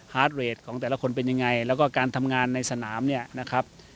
เรทของแต่ละคนเป็นยังไงแล้วก็การทำงานในสนามเนี่ยนะครับ